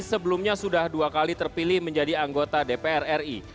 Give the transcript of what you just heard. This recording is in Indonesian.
sebelumnya sudah dua kali terpilih menjadi anggota dpr ri